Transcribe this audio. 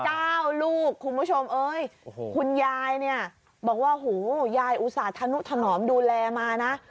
ลูกคุณผู้ชมเอ้ยโอ้โหคุณยายเนี่ยบอกว่าหูยายอุตสาธนุถนอมดูแลมานะ